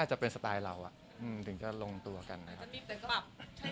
จะพริบจะกลับให้เลยนะครับ